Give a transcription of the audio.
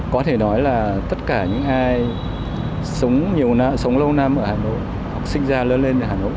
có thể nói là tất cả những ai sống lâu năm ở hà nội học sinh ra lớn lên ở hà nội